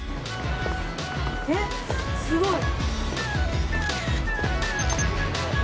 えっすごい！